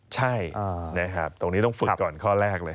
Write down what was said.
ใช่นะครับตรงนี้ต้องฝึกก่อนข้อแรกเลย